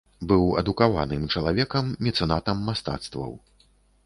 Быў адукаваным чалавекам, мецэнатам мастацтваў.